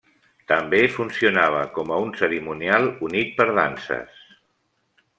També funcionava com a un cerimonial unit per danses.